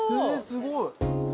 すごい。